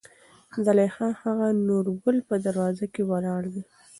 زليخا : هغه نورګل په دروازه کې ولاړ دى.